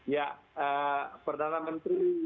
ya perdana menteri